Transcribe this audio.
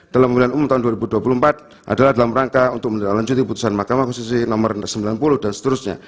dalam pemilihan umum tahun dua ribu dua puluh empat adalah dalam rangka untuk menelanjuti putusan mahkamah konstitusi nomor sembilan puluh dan seterusnya